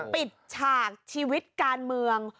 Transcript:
ฉากชีวิตการเมือง